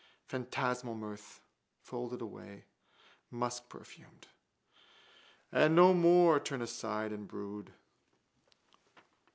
Phantasmal mirth, folded away: muskperfumed. And no more turn aside and brood.